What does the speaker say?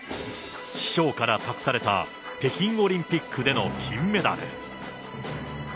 師匠から託された北京オリンピックでの金メダル。